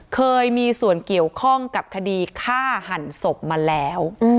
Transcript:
เคยมีส่วนเกี่ยวข้องกับคดีฆ่าหันศพมาแล้ว